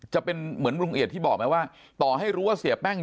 จะเป็นเหมือนลุงเอียดที่บอกไหมว่าต่อให้รู้ว่าเสียแป้ง